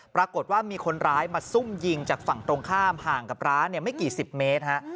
ปรากฏว่ามีคนร้ายมาซุ่มยิงจากฝั่งตรงข้ามห่างกับร้านไม่กี่สิบเมตรฮะ